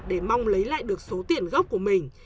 để mong lấy lại được số tiền gốc của mình